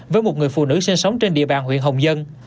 với một người phụ nữ sinh sống trên địa bàn huyện hồng dân